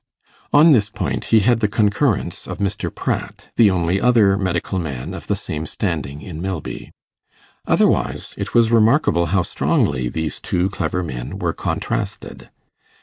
On this point he had the concurrence of Mr. Pratt, the only other medical man of the same standing in Milby. Otherwise, it was remarkable how strongly these two clever men were contrasted.